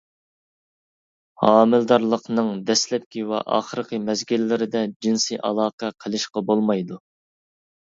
ھامىلىدارلىقنىڭ دەسلەپكى ۋە ئاخىرقى مەزگىللىرىدە جىنسىي ئالاقە قىلىشقا بولمايدۇ.